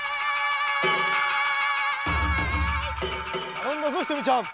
たのんだぞひとみちゃん！